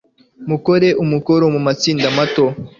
Mukore umukoro mu matsinda mato